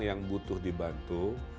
yang butuh dibantu